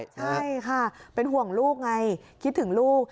ใช่ค่ะเป็นห่วงลูกไงคิดถึงลูก